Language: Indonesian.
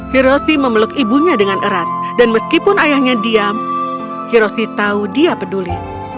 hiroshi memeluk ibunya dengan erat dan meskipun ayahnya diam hiroshi tahu dia peduli